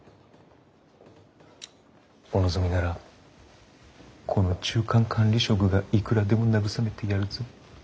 お望みならこの中間管理職がいくらでも慰めてやるぞ。